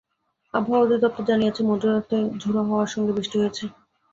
আবহাওয়া অধিদপ্তর জানিয়েছে, মধ্যরাতে ঝোড়ো হাওয়ার সঙ্গে বৃষ্টি হয়েছে।